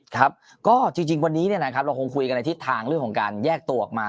ครับก็จริงวันนี้เราคงคุยกันในทิศทางเรื่องของการแยกตัวออกมา